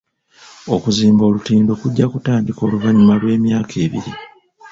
Okuzimba olutindo kujja kutandika oluvannyuma lw'emyaka ebiri.